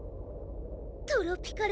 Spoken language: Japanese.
トロピカる